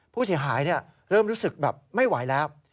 ผู้เสียหายเริ่มรู้สึกแบบไม่ไหวแล้ว